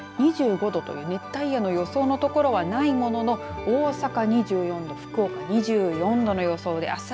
２５度、熱帯夜の予想の所はないものの大阪２４度、福岡２４度の予想です。